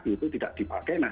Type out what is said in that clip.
itu tidak dipakai